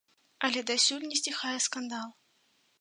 Але дасюль не сціхае скандал.